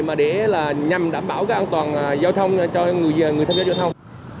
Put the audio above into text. mà để là nhằm đảm bảo cái an toàn giao thông cho người tham gia giao thông